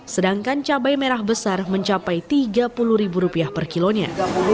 sedangkan cabai merah besar mencapai rp tiga puluh per kilonya